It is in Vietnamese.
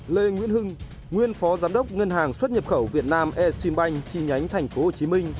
lê nguyễn hưng nguyên phó giám đốc ngân hàng xuất nhập khẩu việt nam eximbank chi nhánh tp hcm